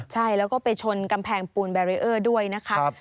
ใช่แล้วก็ไปชนกำแพงปูนแบรีเออร์ด้วยนะคะ